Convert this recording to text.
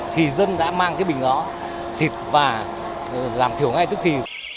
thì dân đã mang cái bình đó xịt và giảm thiểu ngay trước khi